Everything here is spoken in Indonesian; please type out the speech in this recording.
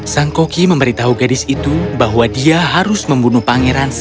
sang koki memberitahu gadis itu bahwa dia harus membunuh pangeran